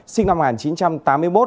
sinh năm một nghìn chín trăm tám mươi một